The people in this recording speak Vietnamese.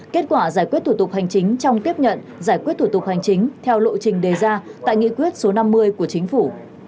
kết quả giải quyết thủ tục hành chính trong tiếp nhận giải quyết thủ tục hành chính theo lộ trình đề ra tại nghị quyết số năm mươi của chính phủ